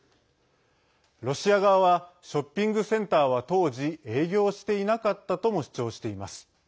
ロシア側はショッピングセンターは当時、営業していなかったとも主張しています。